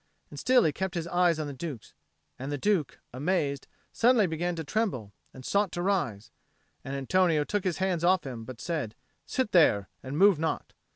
And still he kept his eyes on the Duke's. And the Duke, amazed, suddenly began to tremble, and sought to rise; and Antonio took his hands off him, but said, "Sit there, and move not."